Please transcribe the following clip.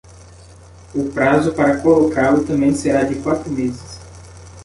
O prazo para colocá-lo também será de quatro meses.